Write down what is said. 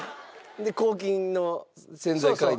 で抗菌の洗剤を買いに？